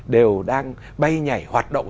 đều đang bay nhảy hoạt động